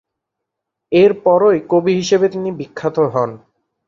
এরপরই কবি হিসেবে তিনি বিখ্যাত হন।